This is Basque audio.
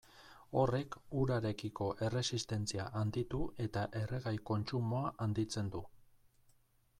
Horrek urarekiko erresistentzia handitu eta erregai kontsumoa handitzen du.